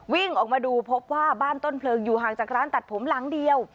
วิ่งออกมาดูพบว่าบ้านต้นเพลิงอยู่ห่างจากร้านตัดผมหลังเดียว